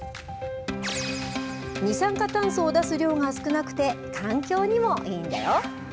二酸化炭素を出す量が少なくて環境にもいいんだよ。